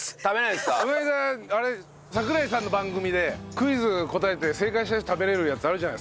この間櫻井さんの番組でクイズ答えて正解した人食べれるやつあるじゃないですか。